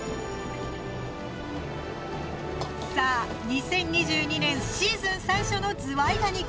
さぁ、２０２２年シーズン最初のズワイガニ。